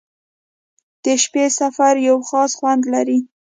• د شپې سفر یو خاص خوند لري.